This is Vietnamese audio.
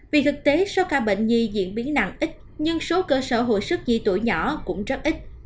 vì thực tế số ca bệnh nhi diễn biến nặng ít nhưng số cơ sở hồi sức di tuổi nhỏ cũng rất ít